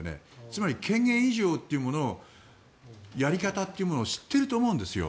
つまり権限移譲というものをやり方というものを知っていると思うんですよ。